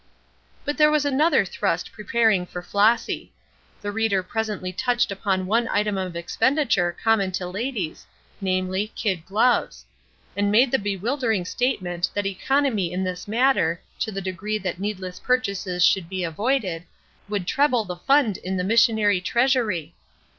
But there was another thrust preparing for Flossy. The reader presently touched upon one item of expenditure common to ladies, namely, kid gloves; and made the bewildering statement that economy in this matter, to the degree that needless purchases should be avoided, would treble the fund in the missionary treasury!